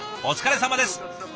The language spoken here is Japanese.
お疲れさまです。